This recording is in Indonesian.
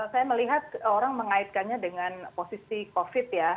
saya melihat orang mengaitkannya dengan posisi covid ya